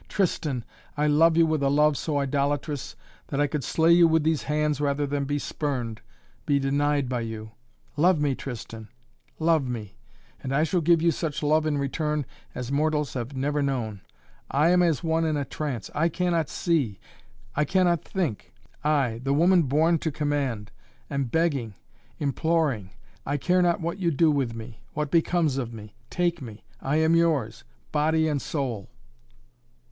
"Tristan, I love you with a love so idolatrous, that I could slay you with these hands rather than be spurned, be denied by you. Love me Tristan love me! And I shall give you such love in return as mortals have never known. I am as one in a trance I cannot see I cannot think! I, the woman born to command am begging imploring I care not what you do with me what becomes of me. Take me! I am yours body and soul!"